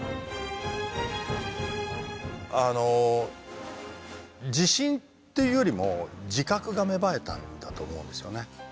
あの自信っていうよりも自覚が芽生えたんだと思うんですよね。